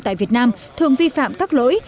tại việt nam thường vi phạm các lỗi